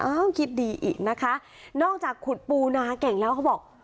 คิดดีอีกนะคะนอกจากขุดปูนาเก่งแล้วเขาบอก